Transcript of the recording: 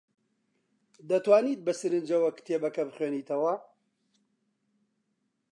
دەتوانیت بەسەرنجەوە کتێبەکە بخوێنیتەوە؟